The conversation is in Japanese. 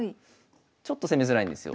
ちょっと攻めづらいんですよ。